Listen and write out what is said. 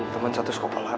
temen satu skopel apa